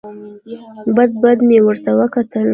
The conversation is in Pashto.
بد بد مې ورته وکتل.